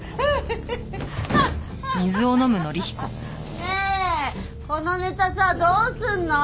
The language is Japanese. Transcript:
ねえこのネタさどうすんの？